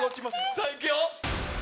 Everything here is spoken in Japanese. さぁいくよ！